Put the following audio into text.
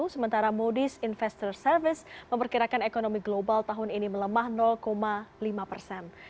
sementara modis investor service memperkirakan ekonomi global tahun ini melemah lima persen